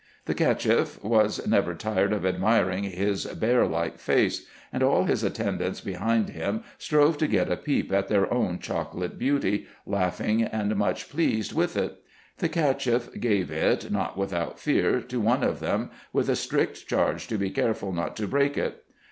The Cacheff was never tired of admiring his bear like face ; and all his attendants behind him strove to get a peep at their own chocolate beauty, laughing, and much pleased IN EGYPT, NUBIA, &c. 77 with it. The Cacheff gave it, not without Fear, to one of them, with a strict charge to be careful not to break it.